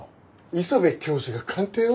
磯部教授が鑑定を？